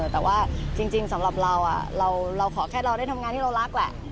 แต่ว่าจริงสำหรับเราเราขอแค่เราได้ทำงานที่เรารักแหละ